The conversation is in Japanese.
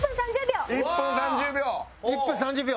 １分３０秒！